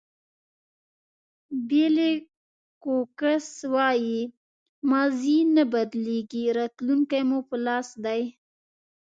بېلي کوکس وایي ماضي نه بدلېږي راتلونکی مو په لاس دی.